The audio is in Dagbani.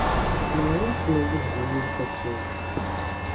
Naawuni tumo yihi bɛ nuu ka chɛ ya.